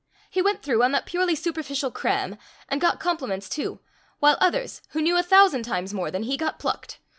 He went through on that purely superficial "cram," and got compliments too, while others, who knew a thousand times more than he, got plucked.